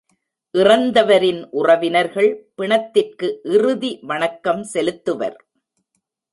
இறந்தவரின் உறவினர்கள், பிணத்திற்கு இறுதி வணக்கம் செலுத்துவர்.